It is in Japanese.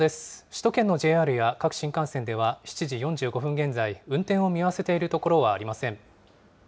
首都圏のＪＲや各新幹線では、７時４５分現在、運転を見合わせているところはありません。